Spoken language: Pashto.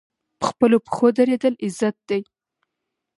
په خپلو پښو دریدل عزت دی